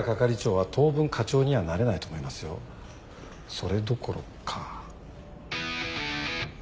それどころか。